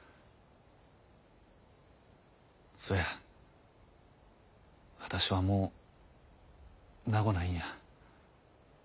そや私はもう長ごないんや。